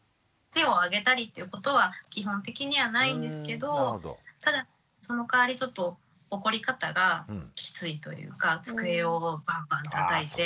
手をあげたりっていうことは基本的にはないんですけどただそのかわりちょっと怒り方がきついというか机をバンバンたたいて。